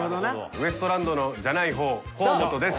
ウエストランドのじゃない方河本です。